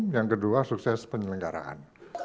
yang kedua sukses penyelenggaraan